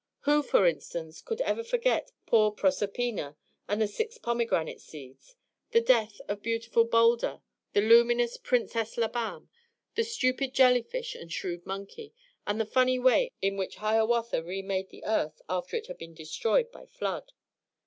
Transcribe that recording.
Who, for instance, could ever forget poor Proserpina and the six pomegranate seeds, the death of beautiful Baldur, the luminous Princess Labam, the stupid jellyfish and shrewd monkey, and the funny way in which Hiawatha remade the earth after it had been destroyed by flood?